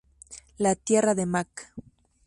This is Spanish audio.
La Tierra de Mac.